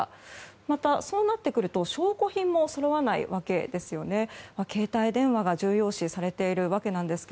また、そうなってくると証拠品もそろわないわけですね。